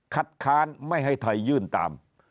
ค้านไม่ให้ไทยยื่นตาม